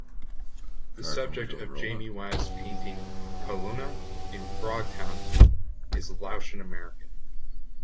The subject of Jamie Wyeth's painting "Kalounna in Frogtown" is Laotian American.